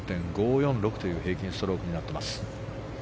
４．５４６という平均ストロークになっています。